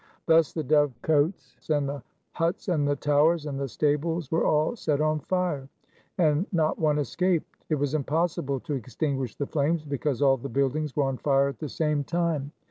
Thus the dovecots, and the huts and the towers, and the stables were all set on fire, and not one escaped. It was impossible to extinguish the flames, because all the buildings were on fire at the same time.